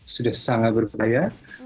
sudah sangat berbahaya